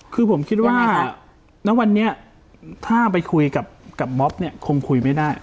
คือผมคิดว่าณวันนี้ถ้าไปคุยกับม็อบเนี่ยคงคุยไม่ได้